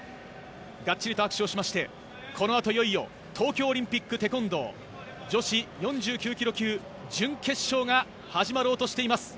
がっちりと握手をしてこのあと、いよいよ東京オリンピック、テコンドー女子４９ｋｇ級準決勝が始まろうとしています。